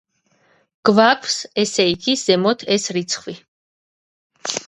გვაქვს, ესე იგი, ზემოთ ეს რიცხვი.